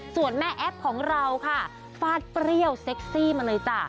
ส่วนแม่แอฟของเราค่ะฟาดเปรี้ยวเซ็กซี่มาเลยจ้ะ